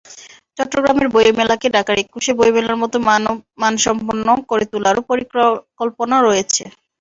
চট্টগ্রামের বইমেলাকে ঢাকার একুশের বইমেলার মতো মানসম্পন্ন করে তোলারও পরিকল্পনা রয়েছে।